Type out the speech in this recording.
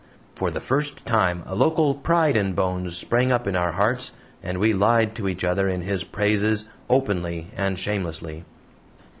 For the first time a local pride in Bones sprang up in our hearts and we lied to each other in his praises openly and shamelessly.